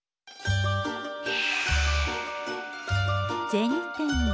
銭天堂。